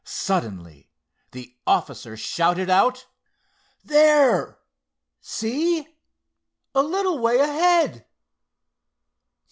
Suddenly the officer shouted out: "There! See, a little way ahead?